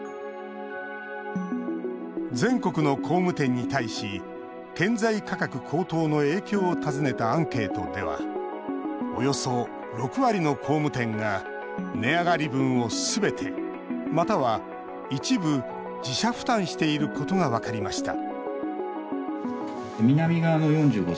全国の工務店に対し建材価格高騰の影響を尋ねたアンケートではおよそ６割の工務店が値上がり分をすべて、または一部自社負担していることが分かりました